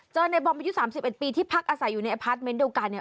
ในบอมอายุ๓๑ปีที่พักอาศัยอยู่ในอพาร์ทเมนต์เดียวกันเนี่ย